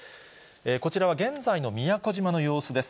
こちらは現在の宮古島の様子です。